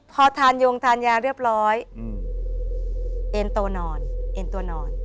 พอทานยงทานยาเรียบร้อยเอ็นโตนอนเอ็นตัวนอน